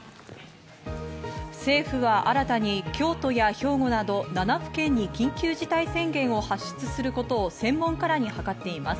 政府は新たに京都や兵庫など７府県に緊急事態宣言を発出することを専門家らに諮っています。